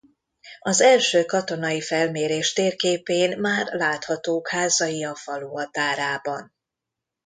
Az első katonai felmérés térképén már láthatók házai a falu határában.